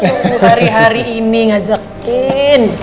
tunggu hari hari ini ngajakin